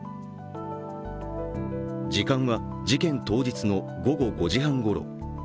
時間は、事件当日の午後５時半ごろ。